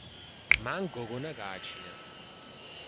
მან გოგონა გააჩინა.